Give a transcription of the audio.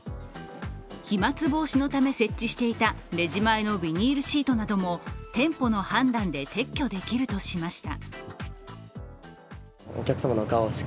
飛まつ防止のため設置していたレジ前のビニールシートなども店舗の判断で撤去できるとしました。